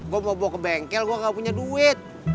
gue mau bawa ke bengkel gue gak punya duit